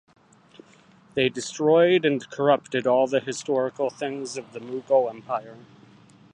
They destroyed and corrupted all the historical things of the Mughal Empire.